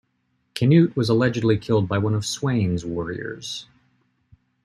Canute was allegedly killed by one of Sweyn's warriors.